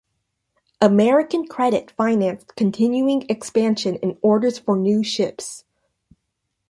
American credit financed continuing expansion and orders for new ships.